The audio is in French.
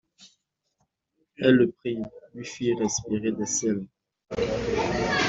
Elle le prit, lui fit respirer des sels.